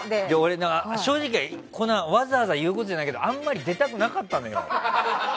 正直、わざわざ言うことじゃないけどあんまり出たくなかったのよ。